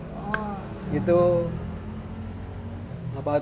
peralatan untuk melukis itu apa saja yang pak sabar